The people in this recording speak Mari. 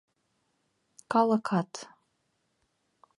Калыкат.